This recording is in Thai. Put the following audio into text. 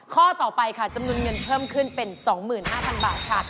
ข้อต่อไปค่ะจำนวนเงินเพิ่มขึ้นเป็น๒๕๐๐บาทค่ะ